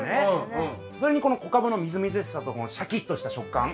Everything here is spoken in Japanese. それにこの小カブのみずみずしさとこのシャキッとした食感。